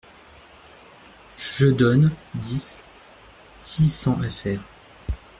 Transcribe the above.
Je donne dix.six cents fr.